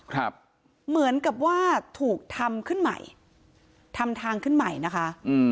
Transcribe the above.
เหมือนกับว่าถูกทำขึ้นใหม่ทำทางขึ้นใหม่นะคะอืม